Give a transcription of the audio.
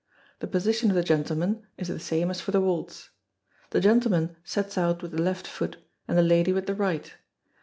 The position of the gentleman is the same as for the waltz. The gentleman sets out with the left foot, and the lady with the right.